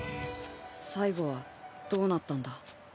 最後はどうなったんだ？